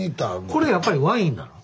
これやっぱりワインなの？